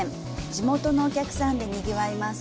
地元のお客さんでにぎわいます。